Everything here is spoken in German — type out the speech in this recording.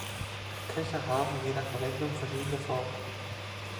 Köcher haben, je nach Verwendung, verschiedene Formen.